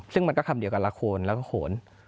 ซึ่งมันก็คำเดียวกับละโคนแล้วก็โขน